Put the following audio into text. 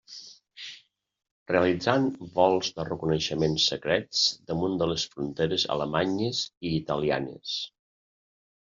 Realitzant vols de reconeixement secrets damunt de les fronteres Alemanyes i Italianes.